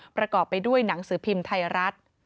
ประกอบไปด้วยหนังสือพิมพ์ไทยรัฐ